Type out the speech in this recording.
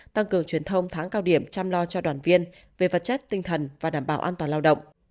tăng cường truyền thông tháng cao điểm chăm lo cho đoàn viên về vật chất tinh thần và đảm bảo an toàn lao động